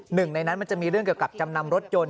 หนึ่งในนั้นมันจะมีเรื่องเกี่ยวกับจำนำรถยนต์